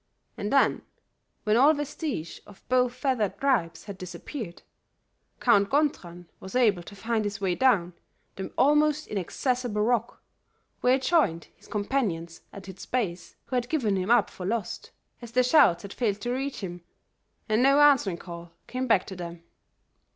And then, when all vestige of both feathered tribes had disappeared, Count Gontran was able to find his way down the almost inaccessible rock, where he joined his companions at its base, who had given him up for lost, as their shouts had failed to reach him, and no answering call came back to them.